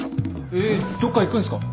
えっどっか行くんすか？